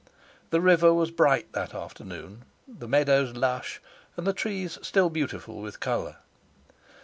The river was bright that afternoon, the meadows lush, the trees still beautiful with colour.